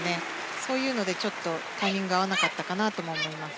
そういうのでちょっとタイミングが合わなかったのかなとも思います。